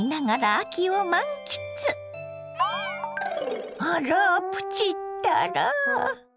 あらプチったら。